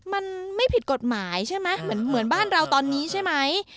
มันไม่ผิดกฎหมายใช่ไหมเหมือนบ้านเราตอนนี้ใช่ไหม